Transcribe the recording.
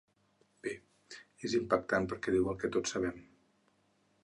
Bé, és impactant perquè diu el que tots sabem.